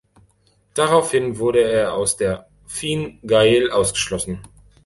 Daraufhin wurde er aus der Fine Gael ausgeschlossen.